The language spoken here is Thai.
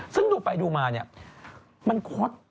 ซึ่งถูกไปดูมามันคด